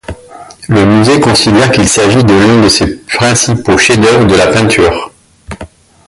Le musée considère qu'il s'agit de l'un de ses principaux chefs-d'œuvre de la peinture.